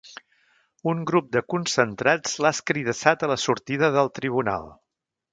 Un grup de concentrats l’ha escridassat a la sortida del tribunal.